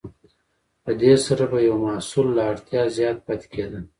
په دې سره به یو محصول له اړتیا زیات پاتې کیده.